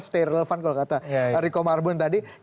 stay relevan kalau kata rico marbon tadi